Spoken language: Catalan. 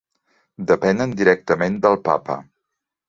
Depenen directament del Papa.